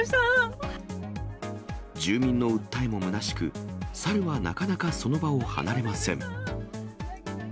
住民の訴えもむなしく、猿はなかなかその場を離れません。